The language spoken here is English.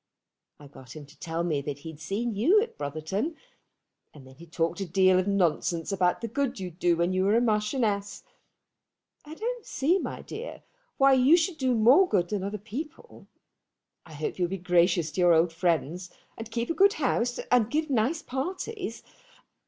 I got him to tell me that he'd seen you at Brotherton, and then he talked a deal of nonsense about the good you'd do when you were Marchioness. I don't see, my dear, why you should do more good than other people. I hope you'll be gracious to your old friends, and keep a good house, and give nice parties.